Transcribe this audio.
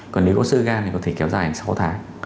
còn nếu có sơ gan thì có thể kéo dài sáu tháng